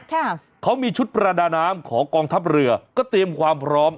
ค่ะเขามีชุดประดาน้ำของกองทัพเรือก็เตรียมความพร้อม